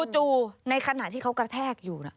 ในขณะที่เขากระแทกอยู่